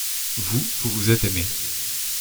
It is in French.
Vous, vous êtes aimés.